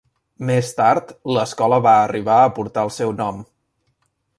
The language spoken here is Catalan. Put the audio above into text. Més tard, l'escola va arribar a portar el seu nom.